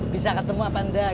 bisa ketemu apa enggak